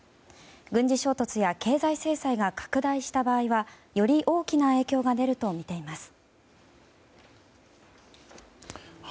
軍事衝突や経済制裁が拡大した場合はより大きな影響が出るとみています。